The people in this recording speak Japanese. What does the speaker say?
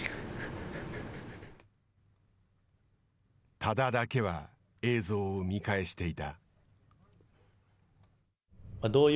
多田だけは映像を見返していた。